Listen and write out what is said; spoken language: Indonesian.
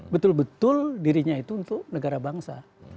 betul betul dirinya itu untuk negara bangsa